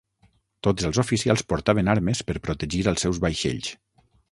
Tots els oficials portaven armes per protegir els seus vaixells.